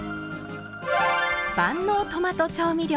万能トマト調味料。